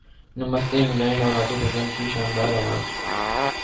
نمستے England اور عاطف اسلم کی شاندار اواز